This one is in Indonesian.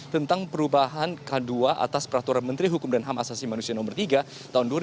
tentang perubahan k dua atas peraturan menteri hukum dan ham asasi manusia nomor tiga tahun dua ribu dua